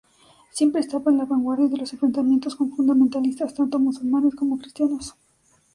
Siempre estaba en la vanguardia de los enfrentamientos con fundamentalistas tanto musulmanes como cristianos.